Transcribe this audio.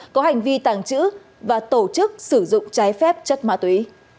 có hành vi tàng trữ và tổ chức sử dụng trái phép chất ma túy